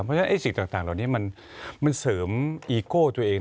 เพราะฉะนั้นสิ่งต่างเหล่านี้มันเสริมอีโก้ตัวเอง